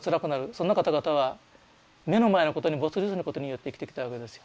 そんな方々は目の前のことに没入することによって生きてきたわけですよ。